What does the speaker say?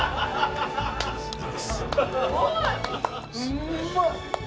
うんまい！